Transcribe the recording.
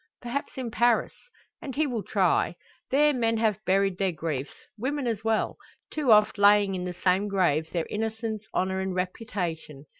Perhaps in Paris? And he will try. There men have buried their griefs women as well: too oft laying in the same grave their innocence, honour, and reputation.